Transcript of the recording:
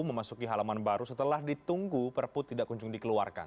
memasuki halaman baru setelah ditunggu perpu tidak kunjung dikeluarkan